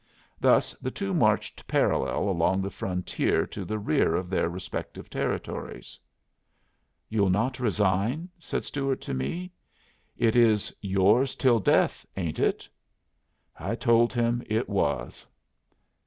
Thus the two marched parallel along the frontier to the rear of their respective territories. "You'll not resign?" said Stuart to me. "It is 'yours till death,' ain't it?" I told him that it was.